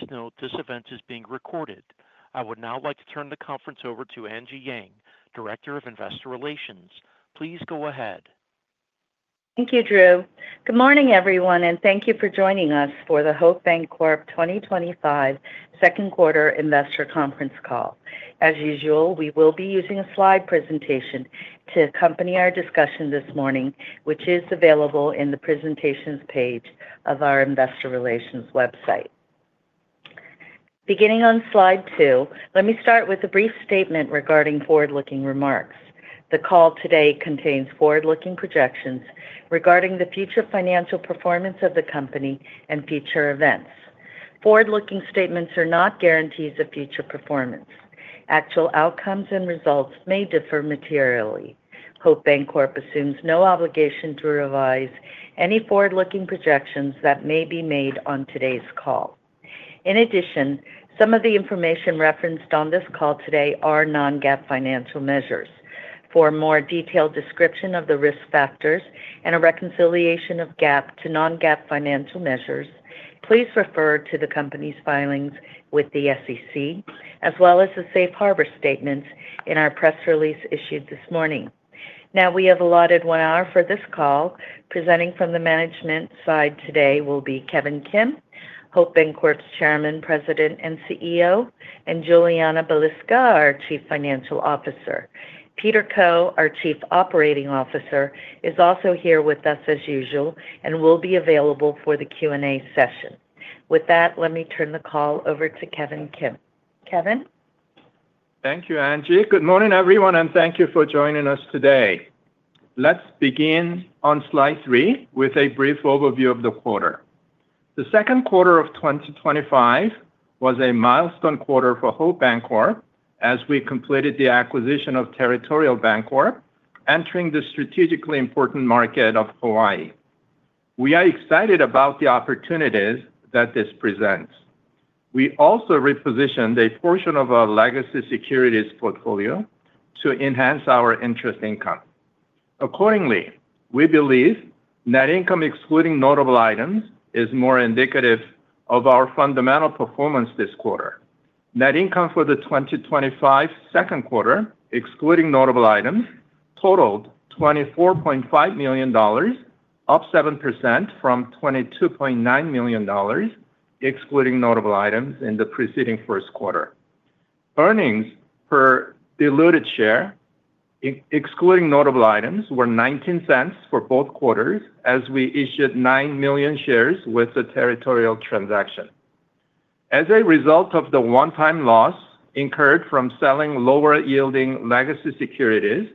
Please note this event is being recorded. I would now like to turn the conference over to Angie Yang, Director of Investor Relations. Please go ahead. Thank you, Drew. Good morning, everyone, and thank you for joining us for the Hope Bancorp 2025 Second Quarter Investor Conference Call. As usual, we will be using a slide presentation to accompany our discussion this morning, which is available in the presentations page of our Investor Relations website. Beginning on slide two, let me start with a brief statement regarding forward-looking remarks. The call today contains forward-looking projections regarding the future financial performance of the company and future events. Forward-looking statements are not guarantees of future performance. Actual outcomes and results may differ materially. Hope Bancorp assumes no obligation to revise any forward-looking projections that may be made on today's call. In addition, some of the information referenced on this call today are non-GAAP financial measures. For a more detailed description of the risk factors and a reconciliation of GAAP to non-GAAP financial measures, please refer to the company's filings with the SEC, as well as the Safe Harbor statements in our press release issued this morning. Now, we have allotted one hour for this call. Presenting from the management side today will be Kevin Kim, Hope Bancorp's Chairman, President, and CEO, and Julianna Balicka, our Chief Financial Officer. Peter Koh, our Chief Operating Officer, is also here with us as usual and will be available for the Q&A session. With that, let me turn the call over to Kevin Kim. Kevin? Thank you, Angie. Good morning, everyone, and thank you for joining us today. Let's begin on slide three with a brief overview of the quarter. The second quarter of 2025 was a milestone quarter for Hope Bancorp as we completed the acquisition of Territorial Bancorp, entering the strategically important market of Hawaii. We are excited about the opportunities that this presents. We also repositioned a portion of our legacy securities portfolio to enhance our interest income. Accordingly, we believe net income excluding notable items is more indicative of our fundamental performance this quarter. Net income for the 2025 second quarter, excluding notable items, totaled $24.5 million, up 7% from $22.9 million, excluding notable items in the preceding first quarter. Earnings per diluted share, excluding notable items, were $0.19 for both quarters as we issued 9 million shares with the Territorial transaction. As a result of the one-time loss incurred from selling lower-yielding legacy securities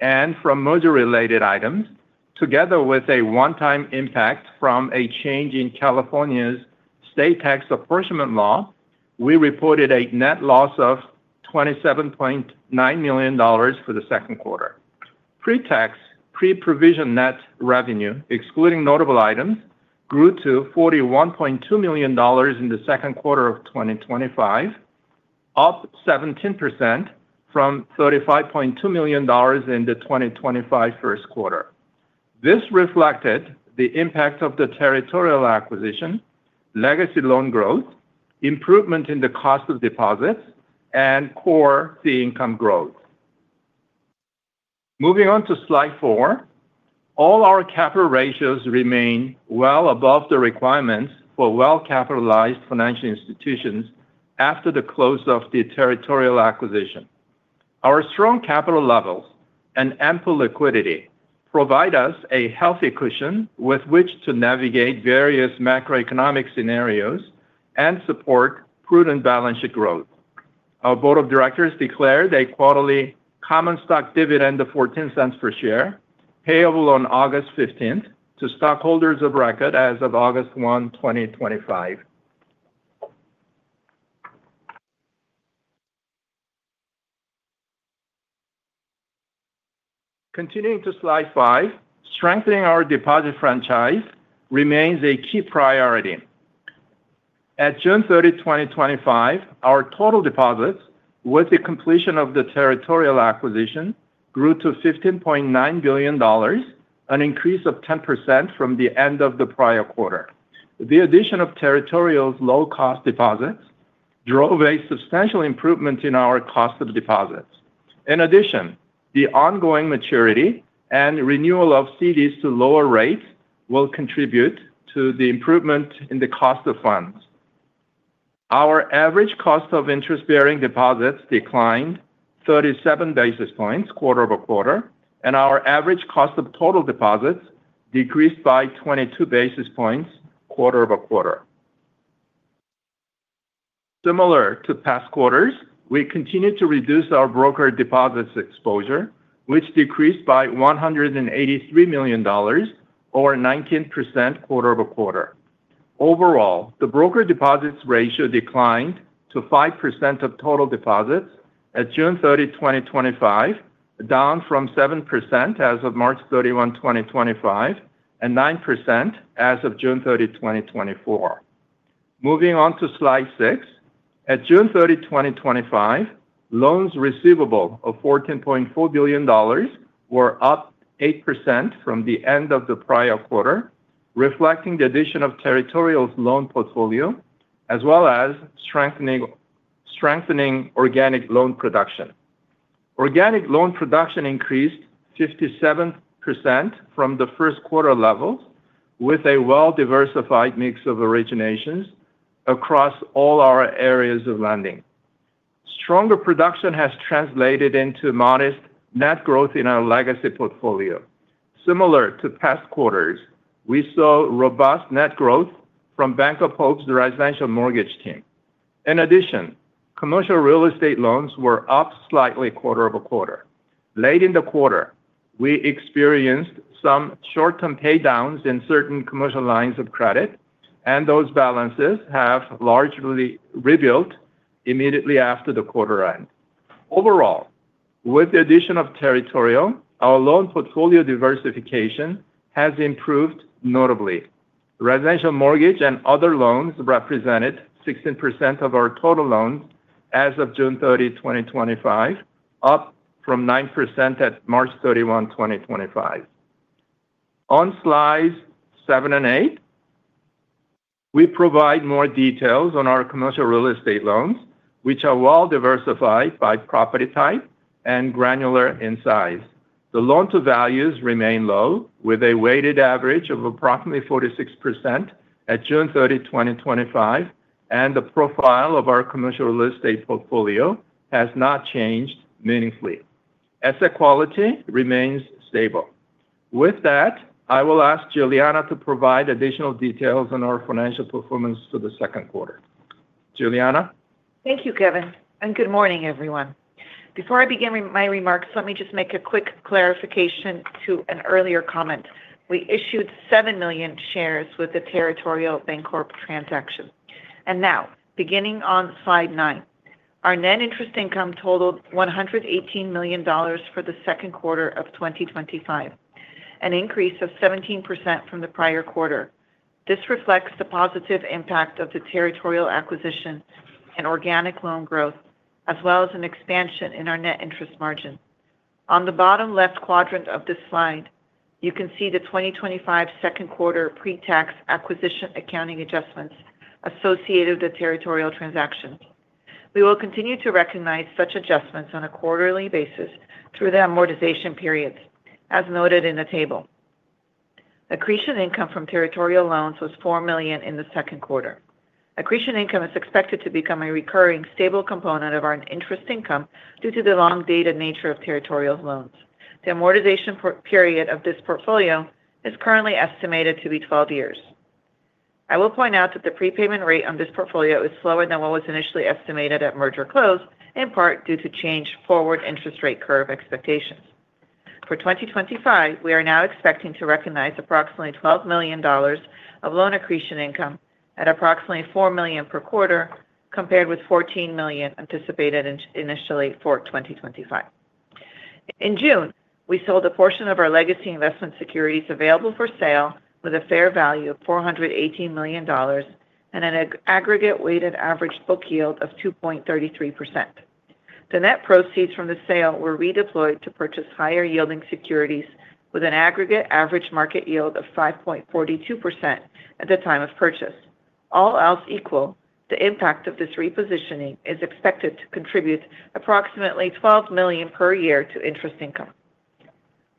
and from merger-related items, together with a one-time impact from a change in California's state tax apportionment law, we reported a net loss of $27.9 million for the second quarter. Pre-tax, pre-provision net revenue, excluding notable items, grew to $41.2 million in the second quarter of 2025, up 17% from $35.2 million in the 2025 first quarter. This reflected the impact of the Territorial acquisition, legacy loan growth, improvement in the cost of deposits, and core fee income growth. Moving on to slide four, all our capital ratios remain well above the requirements for well-capitalized financial institutions after the close of the Territorial acquisition. Our strong capital levels and ample liquidity provide us a healthy cushion with which to navigate various macroeconomic scenarios and support prudent balance sheet growth. Our Board of Directors declared a quarterly common stock dividend of $0.14 per share, payable on August 15 to stockholders of record as of August 1, 2025. Continuing to slide five, strengthening our deposit franchise remains a key priority. At June 30, 2025, our total deposits with the completion of the Territorial acquisition grew to $15.9 billion, an increase of 10% from the end of the prior quarter. The addition of Territorial's low-cost deposits drove a substantial improvement in our cost of deposits. In addition, the ongoing maturity and renewal of CDs to lower rates will contribute to the improvement in the cost of funds. Our average cost of interest-bearing deposits declined 37 basis points quarter over quarter, and our average cost of total deposits decreased by 22 basis points quarter over quarter. Similar to past quarters, we continue to reduce our brokered deposits exposure, which decreased by $183 million, or 19% quarter over quarter. Overall, the brokered deposits ratio declined to 5% of total deposits at June 30, 2025, down from 7% as of March 31, 2025, and 9% as of June 30, 2024. Moving on to slide six, at June 30, 2025, loans receivable of $14.4 billion were up 8% from the end of the prior quarter, reflecting the addition of Territorial Bancorp's loan portfolio, as well as strengthening organic loan production. Organic loan production increased 57% from the first quarter levels, with a well-diversified mix of originations across all our areas of lending. Stronger production has translated into modest net growth in our legacy portfolio. Similar to past quarters, we saw robust net growth from Hope Bancorp's residential mortgage team. In addition, commercial real estate loans were up slightly quarter over quarter. Late in the quarter, we experienced some short-term paydowns in certain commercial lines of credit, and those balances have largely rebuilt immediately after the quarter end. Overall, with the addition of Territorial Bancorp, our loan portfolio diversification has improved notably. Residential mortgage and other loans represented 16% of our total loans as of June 30, 2025, up from 9% at March 31, 2025. On slides seven and eight, we provide more details on our commercial real estate loans, which are well diversified by property type and granular in size. The loan-to-values remain low, with a weighted average of approximately 46% at June 30, 2025, and the profile of our commercial real estate portfolio has not changed meaningfully. Asset quality remains stable. With that, I will ask Julianna to provide additional details on our financial performance for the second quarter. Julianna? Thank you, Kevin, and good morning, everyone. Before I begin my remarks, let me just make a quick clarification to an earlier comment. We issued 7 million shares with the Territorial Bancorp transaction. Now, beginning on slide nine, our net interest income totaled $118 million for the second quarter of 2025, an increase of 17% from the prior quarter. This reflects the positive impact of the Territorial acquisition and organic loan growth, as well as an expansion in our net interest margin. On the bottom left quadrant of this slide, you can see the 2025 second quarter pre-tax acquisition accounting adjustments associated with the Territorial transaction. We will continue to recognize such adjustments on a quarterly basis through the amortization periods, as noted in the table. Accretion income from Territorial loans was $4 million in the second quarter. Accretion income is expected to become a recurring stable component of our interest income due to the long-dated nature of Territorial loans. The amortization period of this portfolio is currently estimated to be 12 years. I will point out that the prepayment rate on this portfolio is slower than what was initially estimated at merger close, in part due to changed forward interest rate curve expectations. For 2025, we are now expecting to recognize approximately $12 million of loan accretion income at approximately $4 million per quarter, compared with $14 million anticipated initially for 2025. In June, we sold a portion of our legacy investment securities available for sale with a fair value of $418 million and an aggregate weighted average book yield of 2.33%. The net proceeds from the sale were redeployed to purchase higher-yielding securities with an aggregate average market yield of 5.42% at the time of purchase. All else equal, the impact of this repositioning is expected to contribute approximately $12 million per year to interest income.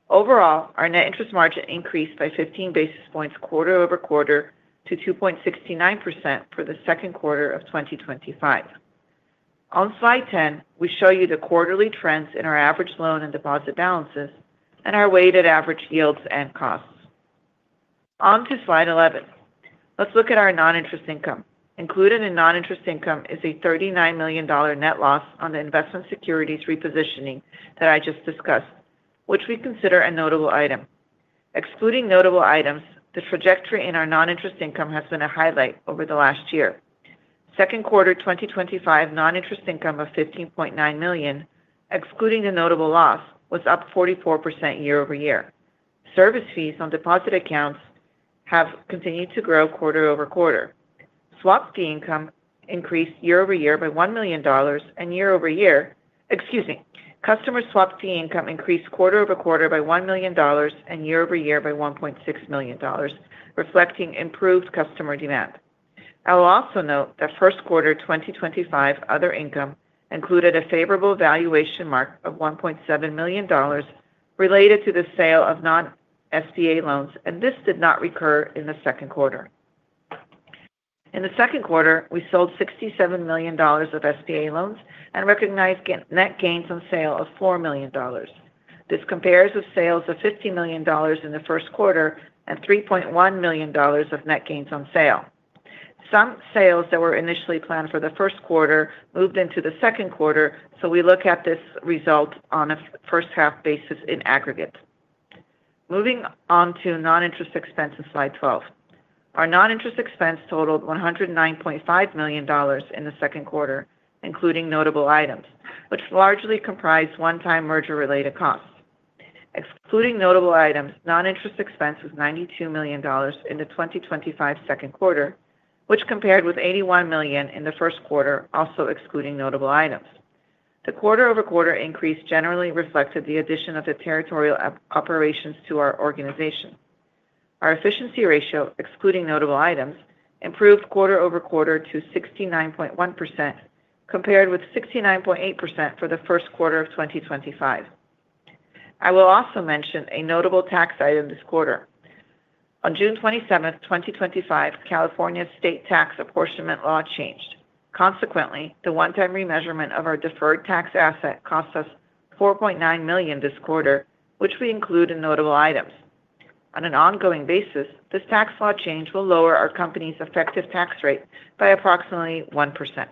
Overall, our net interest margin increased by 15 basis points quarter over quarter to 2.69% for the second quarter of 2025. On slide 10, we show you the quarterly trends in our average loan and deposit balances and our weighted average yields and costs. On to slide 11, let's look at our non-interest income. Included in non-interest income is a $39 million net loss on the investment securities repositioning that I just discussed, which we consider a notable item. Excluding notable items, the trajectory in our non-interest income has been a highlight over the last year. Second quarter 2025 non-interest income of $15.9 million, excluding the notable loss, was up 44% year over year. Service fees on deposit accounts have continued to grow quarter over quarter. Swap fee income increased year over year by $1 million, and customer swap fee income increased quarter over quarter by $1 million and year over year by $1.6 million, reflecting improved customer demand. I'll also note that first quarter 2025 other income included a favorable valuation mark of $1.7 million related to the sale of non-SBA loans, and this did not recur in the second quarter. In the second quarter, we sold $67 million of SBA loans and recognized net gains on sale of $4 million. This compares with sales of $50 million in the first quarter and $3.1 million of net gains on sale. Some sales that were initially planned for the first quarter moved into the second quarter, so we look at this result on a first-half basis in aggregate. Moving on to non-interest expense in slide 12. Our non-interest expense totaled $109.5 million in the second quarter, including notable items, which largely comprise one-time merger-related costs. Excluding notable items, non-interest expense was $92 million in the 2025 second quarter, which compared with $81 million in the first quarter, also excluding notable items. The quarter over quarter increase generally reflected the addition of the Territorial operations to our organization. Our efficiency ratio, excluding notable items, improved quarter over quarter to 69.1%, compared with 69.8% for the first quarter of 2025. I will also mention a notable tax item this quarter. On June 27, 2025, California's state tax apportionment law changed. Consequently, the one-time remeasurement of our deferred tax asset costs us $4.9 million this quarter, which we include in notable items. On an ongoing basis, this tax law change will lower our company's effective tax rate by approximately 1%.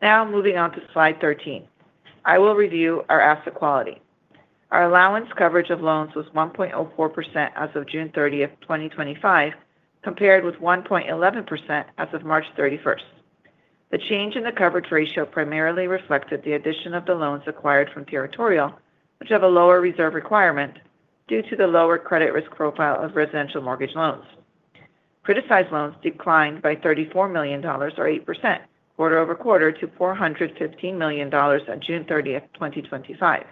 Now, moving on to slide 13, I will review our asset quality. Our allowance coverage of loans was 1.04% as of June 30, 2025, compared with 1.11% as of March 31. The change in the coverage ratio primarily reflected the addition of the loans acquired from Territorial, which have a lower reserve requirement due to the lower credit risk profile of residential mortgage loans. Criticized loans declined by $34 million, or 8%, quarter over quarter to $415 million on June 30, 2025.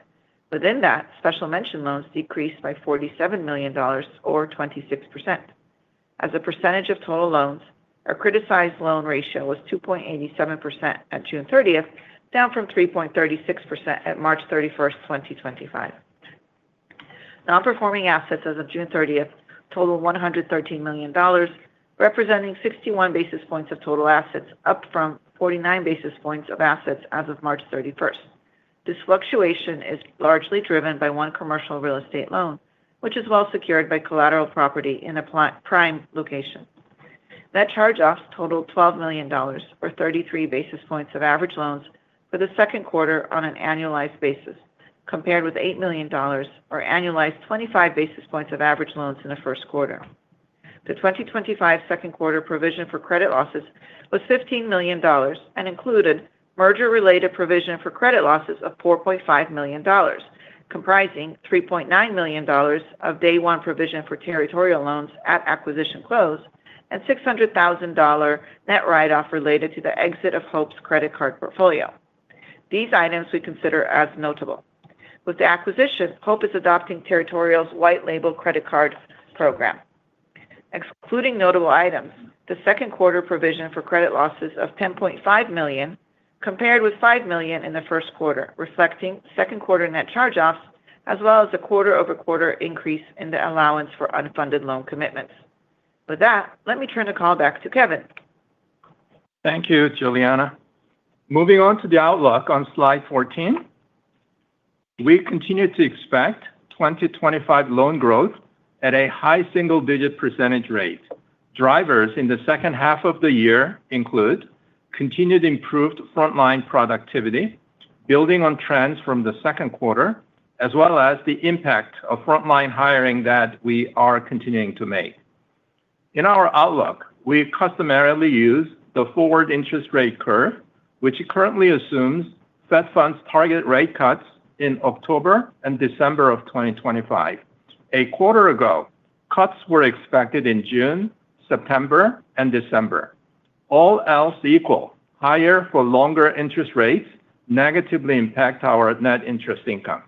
Within that, special mention loans decreased by $47 million, or 26%. As a percentage of total loans, our criticized loan ratio was 2.87% at June 30, down from 3.36% at March 31, 2025. Non-performing assets as of June 30 totaled $113 million, representing 61 basis points of total assets, up from 49 basis points of assets as of March 31st. This fluctuation is largely driven by one commercial real estate loan, which is well secured by collateral property in a prime location. That charge-off totaled $12 million, or 33 basis points of average loans for the second quarter on an annualized basis, compared with $8 million, or annualized 25 basis points of average loans in the first quarter. The 2025 second quarter provision for credit losses was $15 million and included merger-related provision for credit losses of $4.5 million, comprising $3.9 million of day one provision for Territorial loans at acquisition close and $600,000 net write-off related to the exit of Hope's credit card portfolio. These items we consider as notable. With the acquisition, Hope is adopting Territorial's white-label credit card program. Excluding notable items, the second quarter provision for credit losses of $10.5 million compared with $5 million in the first quarter, reflecting second quarter net charge-offs, as well as a quarter over quarter increase in the allowance for unfunded loan commitments. With that, let me turn the call back to Kevin. Thank you, Julianna. Moving on to the outlook on slide 14, we continue to expect 2025 loan growth at a high single-digit % rate. Drivers in the second half of the year include continued improved frontline productivity, building on trends from the second quarter, as well as the impact of frontline hiring that we are continuing to make. In our outlook, we customarily use the forward interest rate curve, which currently assumes Fed funds target rate cuts in October and December of 2025. A quarter ago, cuts were expected in June, September, and December. All else equal, higher for longer interest rates negatively impact our net interest income.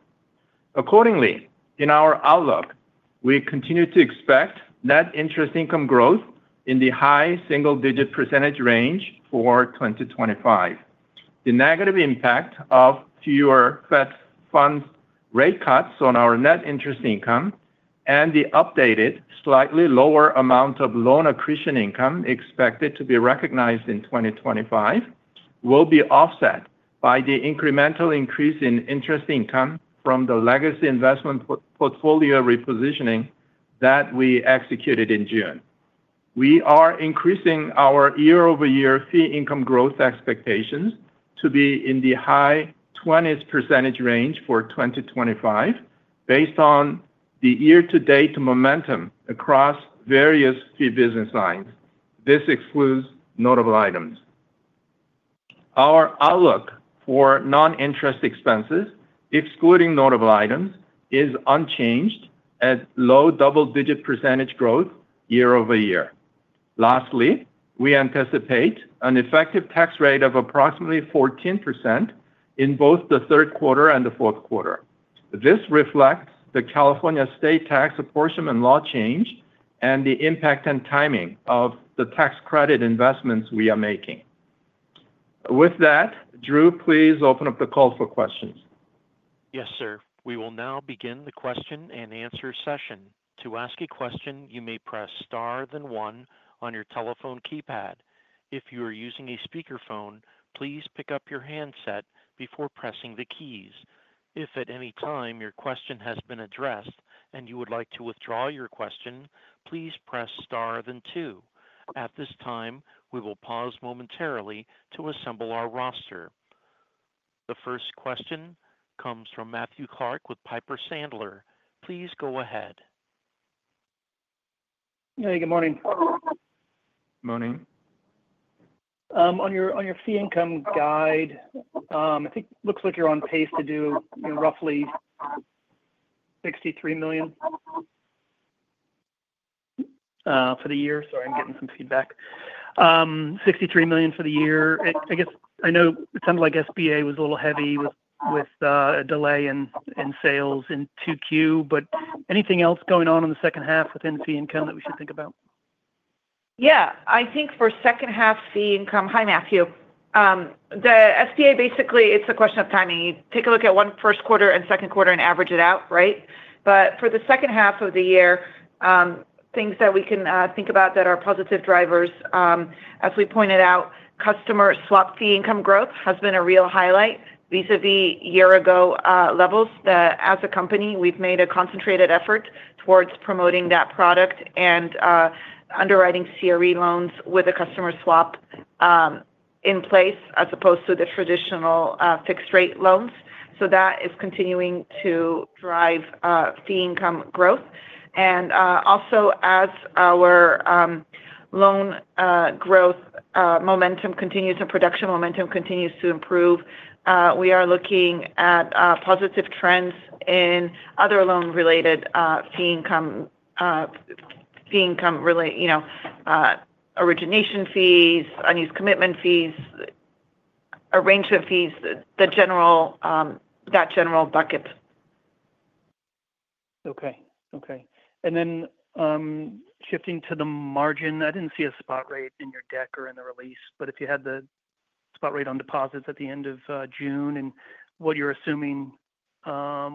Accordingly, in our outlook, we continue to expect net interest income growth in the high single-digit % range for 2025. The negative impact of fewer Fed funds rate cuts on our net interest income and the updated, slightly lower amount of loan accretion income expected to be recognized in 2025 will be offset by the incremental increase in interest income from the legacy investment portfolio repositioning that we executed in June. We are increasing our year-over-year fee income growth expectations to be in the high 20% range for 2025, based on the year-to-date momentum across various fee business lines. This excludes notable items. Our outlook for non-interest expenses, excluding notable items, is unchanged at low double-digit % growth year over year. Lastly, we anticipate an effective tax rate of approximately 14% in both the third quarter and the fourth quarter. This reflects the California state tax apportionment law change and the impact and timing of the tax credit investments we are making. With that, Drew, please open up the call for questions. Yes, sir. We will now begin the question and answer session. To ask a question, you may press star then one on your telephone keypad. If you are using a speakerphone, please pick up your handset before pressing the keys. If at any time your question has been addressed and you would like to withdraw your question, please press star then two. At this time, we will pause momentarily to assemble our roster. The first question comes from Matthew Clark with Piper Sandler. Please go ahead. Hey, good morning. Morning. On your fee income guide, I think it looks like you're on pace to do roughly $63 million for the year. Sorry, I'm getting some feedback. $63 million for the year. I guess I know it sounded like SBA was a little heavy with a delay in sales in 2Q, but anything else going on in the second half within fee income that we should think about? Yeah, I think for second half fee income, hi, Matthew. The SBA basically, it's a question of timing. You take a look at one first quarter and second quarter and average it out, right? For the second half of the year, things that we can think about that are positive drivers, as we pointed out, customer swap fee income growth has been a real highlight vis-à-vis year ago levels. As a company, we've made a concentrated effort towards promoting that product and underwriting commercial real estate loans with a customer swap in place as opposed to the traditional fixed-rate loans. That is continuing to drive fee income growth. Also, as our loan growth momentum continues and production momentum continues to improve, we are looking at positive trends in other loan-related fee income, fee income-related origination fees, unused commitment fees, arrangement fees, that general bucket. Okay. Okay. Shifting to the margin, I didn't see a spot rate in your deck or in the release. If you had the spot rate on deposits at the end of June and what you're assuming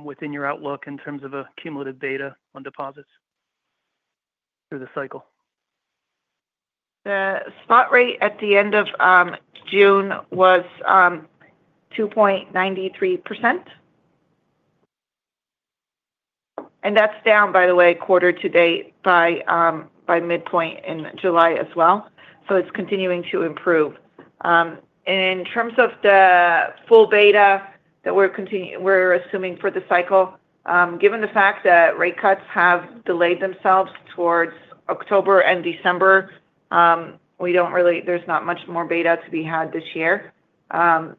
within your outlook in terms of a cumulative beta on deposits through the cycle? The spot rate at the end of June was 2.93%. That's down, by the way, quarter to date by midpoint in July as well. It's continuing to improve. In terms of the full beta that we're assuming for the cycle, given the fact that rate cuts have delayed themselves towards October and December, we don't really, there's not much more beta to be had this year. There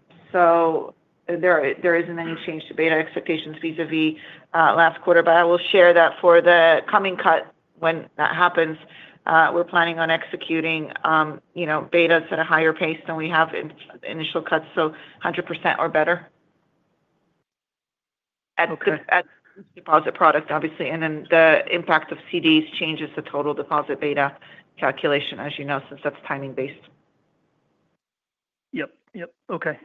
isn't any change to beta expectations vis-à-vis last quarter, but I will share that for the coming cut when that happens. We're planning on executing beta at a higher pace than we have in initial cuts, so 100% or better. Okay. At deposit product, obviously. The impact of CDs changes the total deposit beta calculation, as you know, since that's timing-based. Okay.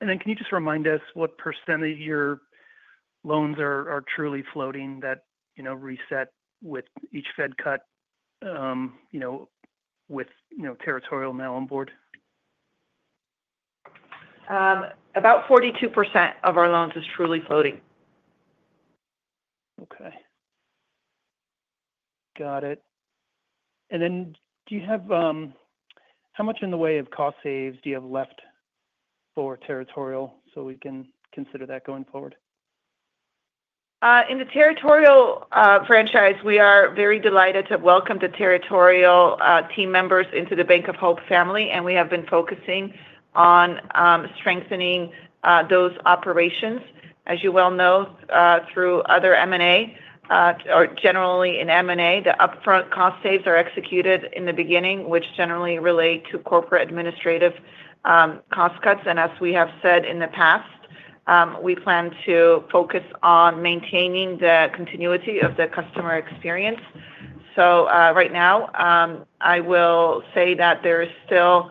Can you just remind us what % of your loans are truly floating that reset with each Fed cut, with Territorial now on board? About 42% of our loans is truly floating. Got it. Do you have, how much in the way of cost saves do you have left for Territorial so we can consider that going forward? In the Territorial franchise, we are very delighted to welcome the Territorial team members into the Bank of Hope family, and we have been focusing on strengthening those operations. As you well know, through other M&A, or generally in M&A, the upfront cost saves are executed in the beginning, which generally relate to corporate administrative cost cuts. As we have said in the past, we plan to focus on maintaining the continuity of the customer experience. Right now, I will say that there is still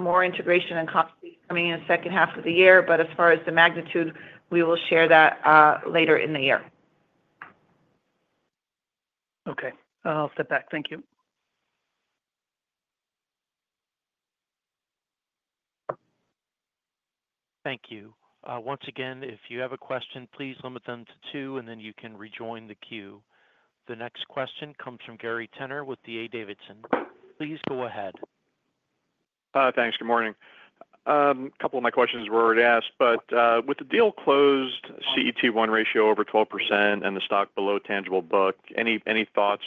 more integration and cost saves coming in the second half of the year, but as far as the magnitude, we will share that later in the year. Okay, I'll step back. Thank you. Thank you. Once again, if you have a question, please limit them to two, and then you can rejoin the queue. The next question comes from Gary Tenner with D.A. Davidson. Please go ahead. Thanks. Good morning. A couple of my questions were already asked, but with the deal closed, CET1 ratio over 12% and the stock below tangible book, any thoughts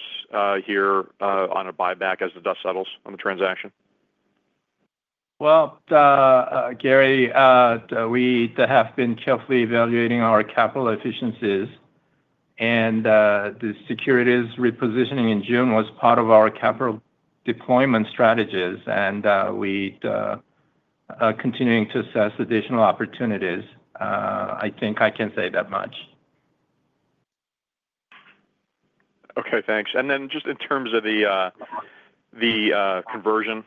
here on a buyback as the dust settles on the transaction? Gary, we have been carefully evaluating our capital efficiencies, and the securities repositioning in June was part of our capital deployment strategies, and we are continuing to assess additional opportunities. I think I can say that much. Okay. Thanks. In terms of the conversion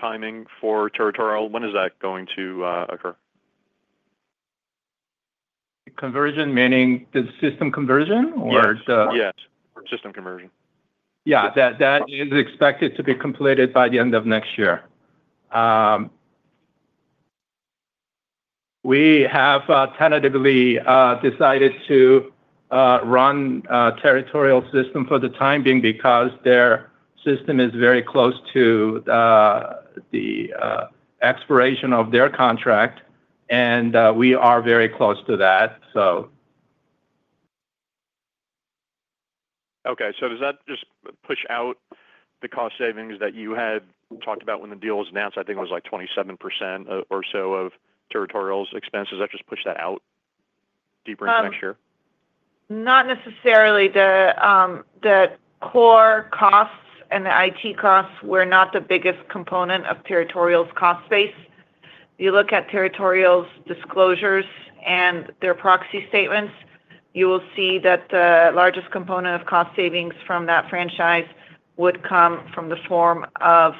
timing for Territorial, when is that going to occur? Conversion, meaning the system conversion, or? Yes, yes, or system conversion. Yeah. That is expected to be completed by the end of next year. We have tentatively decided to run a Territorial system for the time being because their system is very close to the expiration of their contract, and we are very close to that. Okay. Does that just push out the cost savings that you had talked about when the deal was announced? I think it was like 27% or so of Territorial's expenses. That just pushes that out deeper into next year? Not necessarily. The core costs and the IT costs were not the biggest component of Territorial's cost base. If you look at Territorial's disclosures and their proxy statements, you will see that the largest component of cost savings from that franchise would come from the form of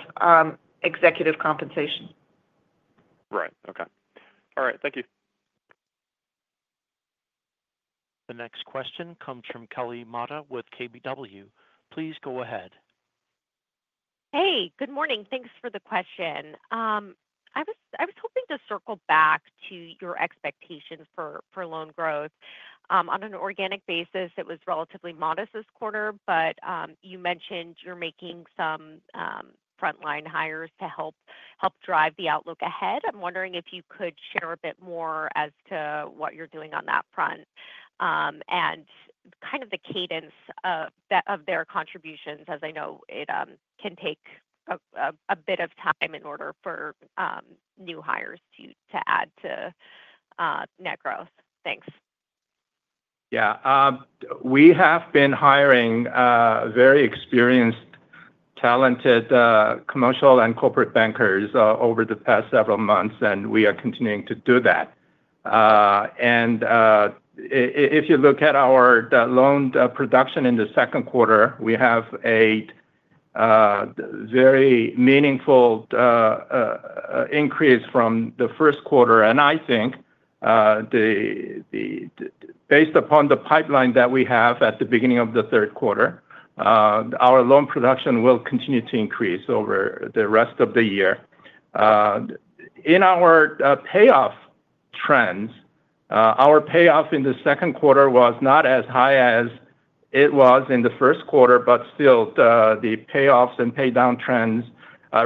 executive compensation. Right. Okay, all right. Thank you. The next question comes from Kelly Motta with KBW. Please go ahead. Hey, good morning. Thanks for the question. I was hoping to circle back to your expectations for loan growth. On an organic basis, it was relatively modest this quarter, but you mentioned you're making some frontline hires to help drive the outlook ahead. I'm wondering if you could share a bit more as to what you're doing on that front and the cadence of their contributions, as I know it can take a bit of time in order for new hires to add to net growth. Thanks. We have been hiring very experienced, talented commercial and corporate bankers over the past several months, and we are continuing to do that. If you look at our loan production in the second quarter, we have a very meaningful increase from the first quarter. I think based upon the pipeline that we have at the beginning of the third quarter, our loan production will continue to increase over the rest of the year. In our payoff trends, our payoff in the second quarter was not as high as it was in the first quarter, but still, the payoffs and paydown trends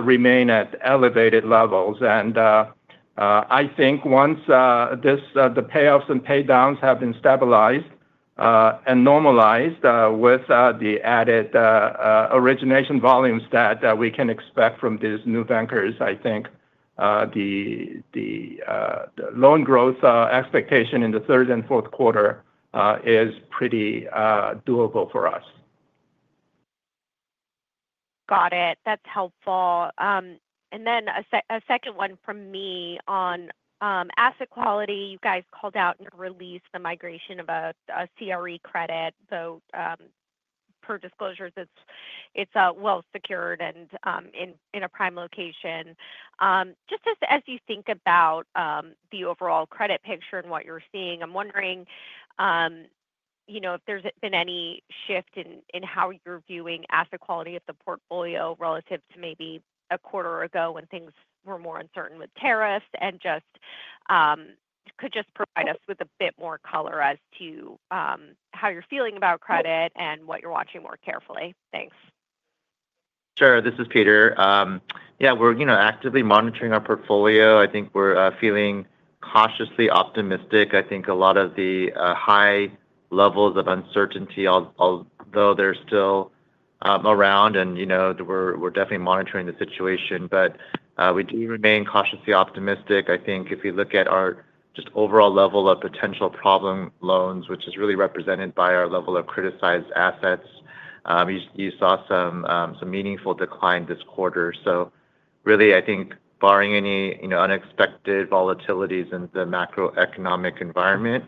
remain at elevated levels. I think once the payoffs and paydowns have been stabilized and normalized with the added origination volumes that we can expect from these new bankers, the loan growth expectation in the third and fourth quarter is pretty doable for us. Got it. That's helpful. A second one from me on asset quality. You guys called out in your release the migration of a commercial real estate credit, though per disclosures, it's well secured and in a prime location. Just as you think about the overall credit picture and what you're seeing, I'm wondering if there's been any shift in how you're viewing asset quality of the portfolio relative to maybe a quarter ago when things were more uncertain with tariffs and just could provide us with a bit more color as to how you're feeling about credit and what you're watching more carefully? Thanks. Sure. This is Peter. Yeah, we're actively monitoring our portfolio. I think we're feeling cautiously optimistic. I think a lot of the high levels of uncertainty, although they're still around, and you know we're definitely monitoring the situation, but we do remain cautiously optimistic. I think if we look at our just overall level of potential problem loans, which is really represented by our level of criticized assets, you saw some meaningful decline this quarter. I think barring any unexpected volatilities in the macroeconomic environment,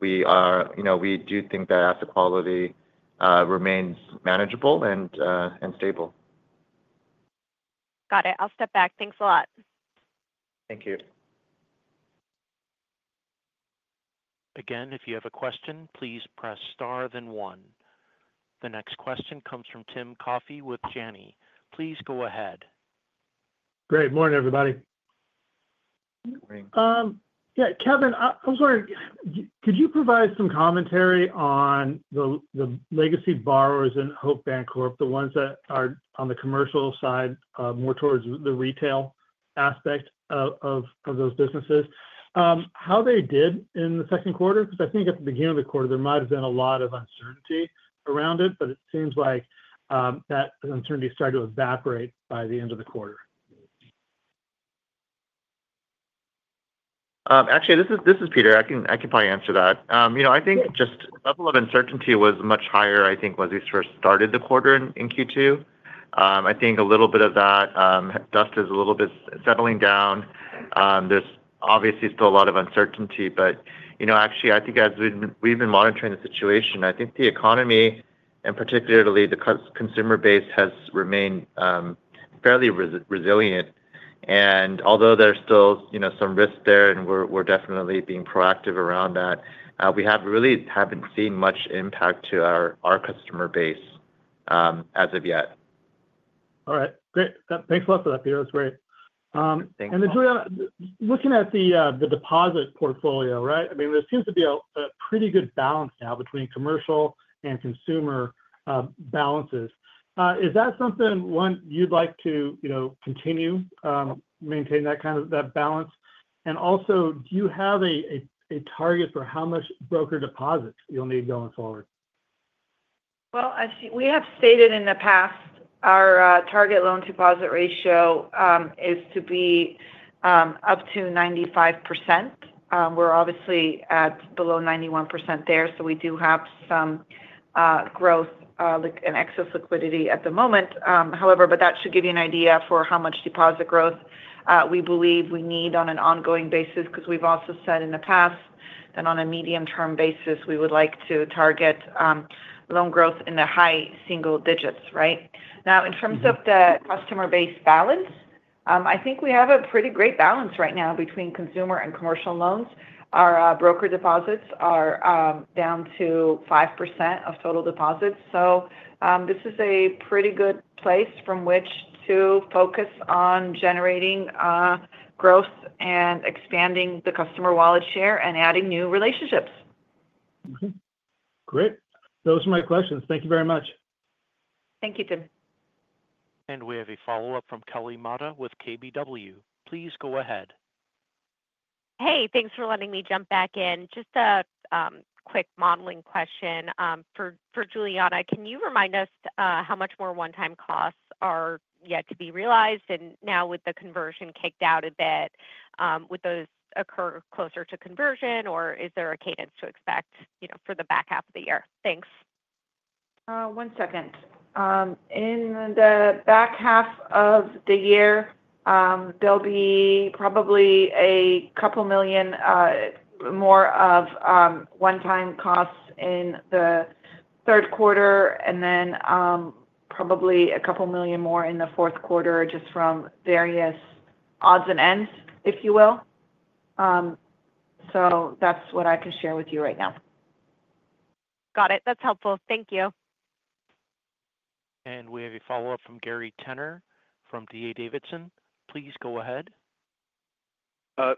we do think that asset quality remains manageable and stable. Got it. I'll step back. Thanks a lot. Thank you. Again, if you have a question, please press star then one. The next question comes from Timothy Coffey with Janney. Please go ahead. Great. Morning, everybody. Morning. Yeah. Kevin, I'm going to, could you provide some commentary on the legacy borrowers in Hope Bancorp, the ones that are on the commercial side more towards the retail aspect of those businesses, how they did in the second quarter? I think at the beginning of the quarter, there might have been a lot of uncertainty around it, but it seems like that uncertainty started to evaporate by the end of the quarter. Actually, this is Peter. I can probably answer that. I think just the level of uncertainty was much higher when we first started the quarter in Q2. I think a little bit of that dust is settling down. There's obviously still a lot of uncertainty, but actually, I think as we've been monitoring the situation, the economy, and particularly the consumer base, has remained fairly resilient. Although there's still some risk there, and we're definitely being proactive around that, we really haven't seen much impact to our customer base as of yet. All right. Great. Thanks a lot for that, Peter. That was great. Thank you. Julianna, looking at the deposit portfolio, right? There seems to be a pretty good balance now between commercial and consumer balances. Is that something you'd like to continue maintaining, that kind of balance? Also, do you have a target for how much brokered deposit you'll need going forward? Our target loan-to-deposit ratio is to be up to 95%. We're obviously at below 91% there, so we do have some growth in excess liquidity at the moment. That should give you an idea for how much deposit growth we believe we need on an ongoing basis because we've also said in the past that on a medium-term basis, we would like to target loan growth in the high single digits, right? In terms of the customer-based balance, I think we have a pretty great balance right now between consumer and commercial loans. Our brokered deposits are down to 5% of total deposits. This is a pretty good place from which to focus on generating growth and expanding the customer wallet share and adding new relationships. Okay. Great. Those are my questions. Thank you very much. Thank you, Tim. We have a follow-up from Kelly Motta with KBW. Please go ahead. Hey, thanks for letting me jump back in. Just a quick modeling question. For Julianna, can you remind us how much more one-time costs are yet to be realized? Now with the conversion kicked out a bit, would those occur closer to conversion, or is there a cadence to expect for the back half of the year? Thanks. In the back half of the year, there'll be probably a couple million more of one-time costs in the third quarter, and then probably a couple million more in the fourth quarter just from various odds and ends, if you will. That's what I can share with you right now. Got it. That's helpful. Thank you. We have a follow-up from Gary Tenner from DA Davidson. Please go ahead.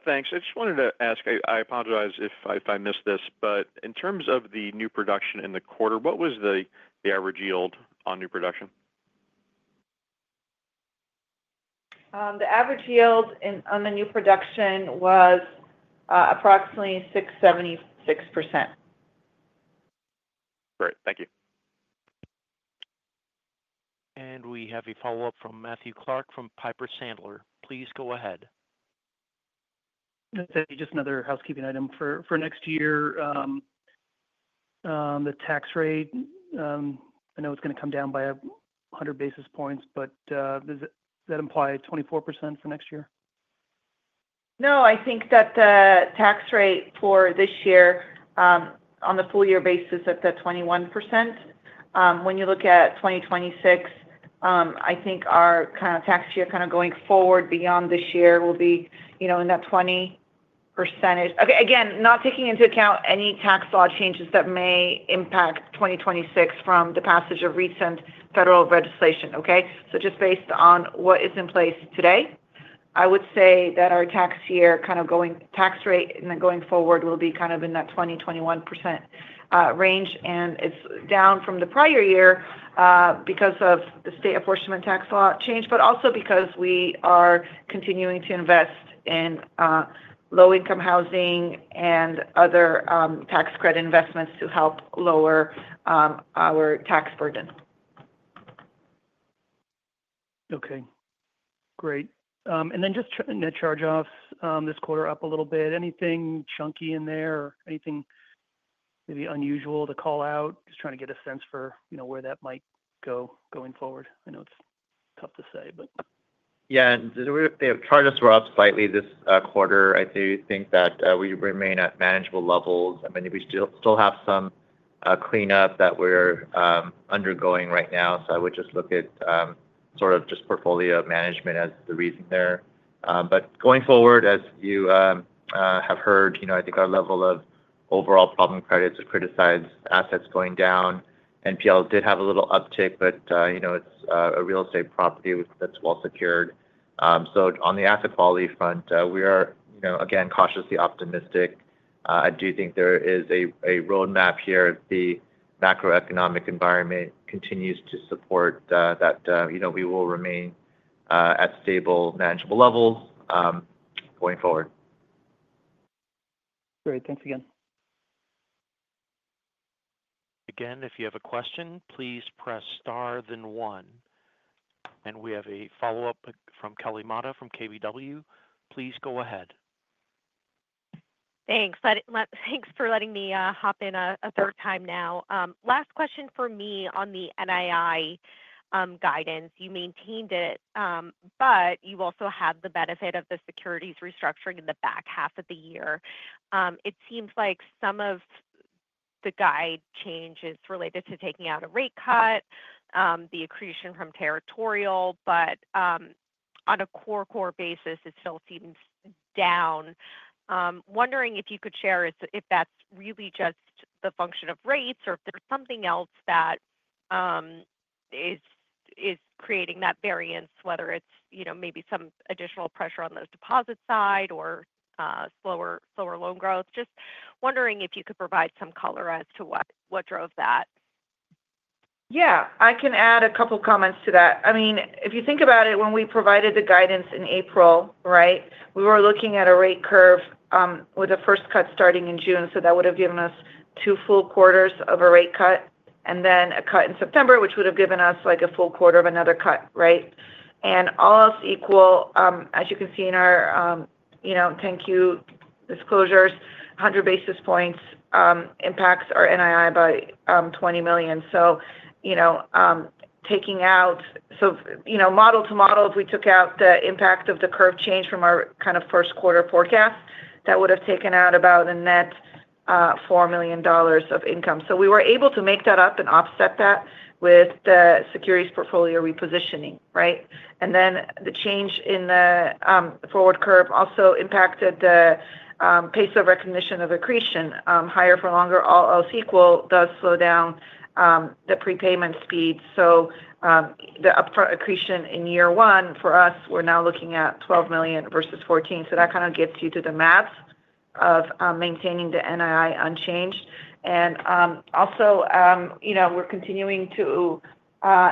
Thanks. I just wanted to ask, I apologize if I missed this, but in terms of the new production in the quarter, what was the average yield on new production? The average yield on the new production was approximately 6.76%. Great. Thank you. We have a follow-up from Matthew Clark from Piper Sandler. Please go ahead. I'd say just another housekeeping item for next year. The tax rate, I know it's going to come down by 100 bps, but does that imply 24% for next year? No, I think that the tax rate for this year on the full-year basis is at the 21%. When you look at 2026, I think our tax year going forward beyond this year will be, you know, in that 20%. Again, not taking into account any tax law changes that may impact 2026 from the passage of recent federal legislation, okay? Just based on what is in place today, I would say that our tax rate going forward will be in that 20% to 21% range. It's down from the prior year because of the state apportionment tax law change, but also because we are continuing to invest in low-income housing and other tax credit investments to help lower our tax burden. Okay. Great. In the charge-offs this quarter, up a little bit, anything chunky in there or anything maybe unusual to call out? Just trying to get a sense for where that might go going forward. I know it's tough to say. Yeah. The charge-offs were up slightly this quarter. I do think that we remain at manageable levels. We still have some cleanup that we're undergoing right now. I would just look at sort of just portfolio management as the reason there. Going forward, as you have heard, I think our level of overall problem credits or criticized assets is going down. NPL did have a little uptick, but it's a real estate property that's well secured. On the asset quality front, we are, again, cautiously optimistic. I do think there is a roadmap here if the macroeconomic environment continues to support that, we will remain at stable, manageable levels going forward. Great. Thanks again. Again, if you have a question, please press star then one. We have a follow-up from Kelly Motta from KBW. Please go ahead. Thanks. Thanks for letting me hop in a third time now. Last question for me on the NII guidance. You maintained it, but you also have the benefit of the securities repositioning in the back half of the year. It seems like some of the guide changes related to taking out a rate cut, the accretion from Territorial, but on a core core basis, it still seems down. Wondering if you could share if that's really just the function of rates or if there's something else that is creating that variance, whether it's, you know, maybe some additional pressure on the deposit side or slower loan growth. Just wondering if you could provide some color as to what drove that? Yeah. I can add a couple of comments to that. I mean, if you think about it, when we provided the guidance in April, right, we were looking at a rate curve with a first cut starting in June. That would have given us two full quarters of a rate cut and then a cut in September, which would have given us like a full quarter of another cut, right? All else equal, as you can see in our, you know, 10-Q disclosures, 100 basis points impacts our NII by $20 million. You know, taking out, so, you know, model to model, if we took out the impact of the curve change from our kind of first quarter forecast, that would have taken out about a net $4 million of income. We were able to make that up and offset that with the securities portfolio repositioning, right? The change in the forward curve also impacted the pace of recognition of accretion. Higher for longer, all else equal, does slow down the prepayment speed. The upfront accretion in year one for us, we're now looking at $12 million versus $14 million. That kind of gets you to the math of maintaining the NII unchanged. Also, you know, we're continuing to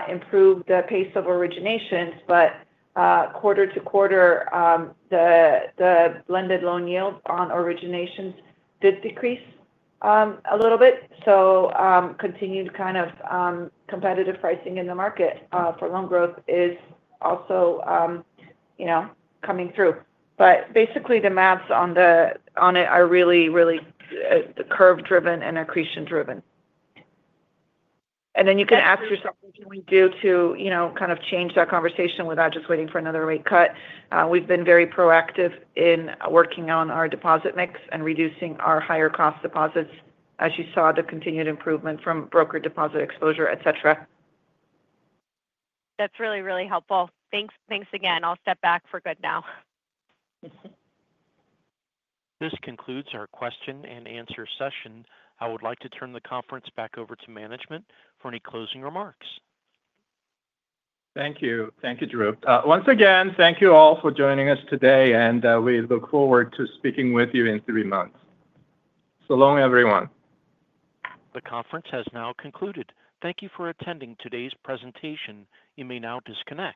improve the pace of originations, but quarter to quarter, the lended loan yield on originations did decrease a little bit. Continued kind of competitive pricing in the market for loan growth is also, you know, coming through. Basically, the maths on it are really, really curve-driven and accretion-driven. You can ask yourself, what can we do to, you know, kind of change that conversation without just waiting for another rate cut? We've been very proactive in working on our deposit mix and reducing our higher cost deposits, as you saw the continued improvement from brokered deposit exposure, et cetera. That's really, really helpful. Thanks. Thanks again. I'll step back for good now. This concludes our question and answer session. I would like to turn the conference back over to management for any closing remarks. Thank you. Thank you, Drew. Once again, thank you all for joining us today, and we look forward to speaking with you in three months. So long, everyone. The conference has now concluded. Thank you for attending today's presentation. You may now disconnect.